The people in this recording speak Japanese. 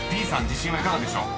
自信はいかがでしょう？］